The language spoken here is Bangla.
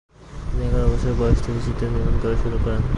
তিনি এগার বছর বয়স থেকে চিত্র নির্মাণ করা শুরু করেন।